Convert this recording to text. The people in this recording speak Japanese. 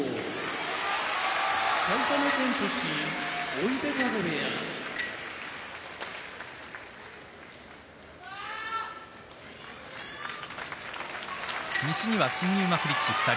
追手風部屋西には新入幕力士が２人。